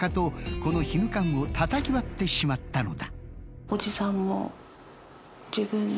このヒヌカンをたたき割ってしまったのだ。